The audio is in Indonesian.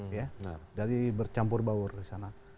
jadi bercampur baur di sana